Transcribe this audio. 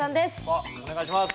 わっお願いします。